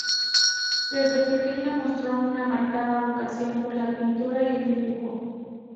Desde pequeña mostró una marcada vocación por la pintura y el dibujo.